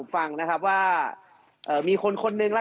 มีคนนึงแล้วกันนะครับที่เมื่อก่อนมีพฤติกรรมชอบหยอดยา